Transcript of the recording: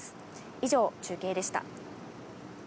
以上、中継でした。